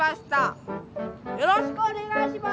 よろしくお願いします。